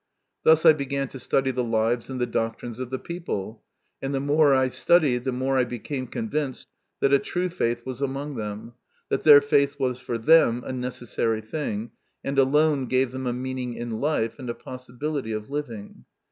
Thus I began to study the lives and the doctrines of the people, and the more I * studied the more I became convinced that a true faith was among them, that their faith was for them a necessary thing, and alone gave them a meaning in life and a possibility of living.